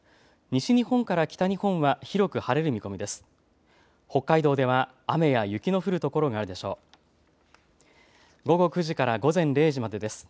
西日本から北日本は広く晴れる見込みです。